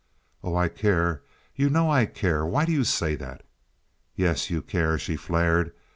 "Oh, I care. You know I care. Why do you say that?" "Yes, you care," she flared.